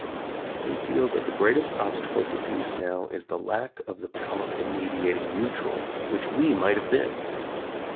They feel that the greatest obstacle to peace now is the lack of the powerful mediating neutral which we might have been.